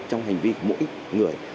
trong hành vi của mỗi người